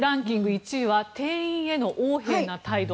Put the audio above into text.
１位は店員への横柄な態度。